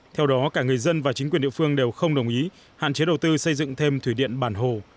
theo đó cả người dân và chính quyền địa phương đều không đồng ý hạn chế đầu tư xây dựng thêm thủy điện bản hồ